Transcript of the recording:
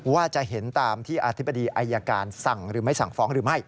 ว่าจะเห็นตามที่อธิบดีอายการสั่งหรือไม่สั่งฟ้องหรือไม่